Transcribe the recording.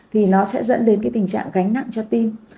thì nó sẽ dẫn đến cái tình trạng gánh nặng cho tim